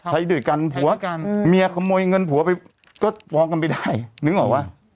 ใครโดยกันผัวเมียขโมยเงินผัวก็ฟ้องกันไปได้นึกออกหรอวะ